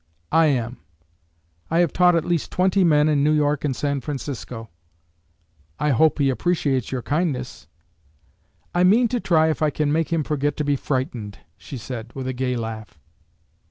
"I am. I have taught at least twenty men in New York and San Francisco." "I hope he appreciates your kindness." "I mean to try if I can make him forget to be frightened," she said, with a gay laugh.